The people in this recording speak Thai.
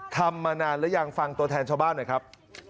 ทำมานานหรือยังฟังตัวแทนชาวบ้านหน่อยครับ